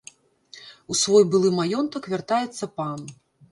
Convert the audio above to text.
У свой былы маёнтак вяртаецца пан.